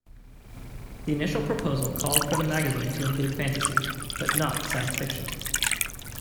The initial proposal called for the magazine to include fantasy, but not science fiction.